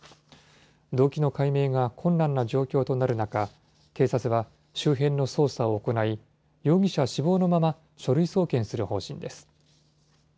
動機の解明が困難な状況となる中、警察は周辺の捜査を行い、容疑者死亡のまま、書類送検する方針です。